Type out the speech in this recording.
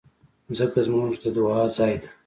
مځکه زموږ د دعا ځای ده.